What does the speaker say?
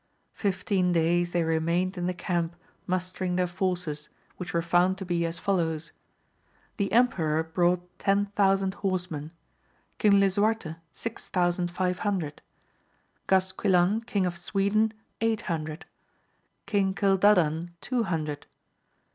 Fifteen days they remained in the camp mustering their forces, which were found to be as follows : the emperor brought ten thousand horsemen ; King Lis uarte six thousand five hundred ; Gasquilan King of Sweden eight hundred ; King Cildadan two hundred.